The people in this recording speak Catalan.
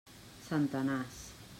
Centenars.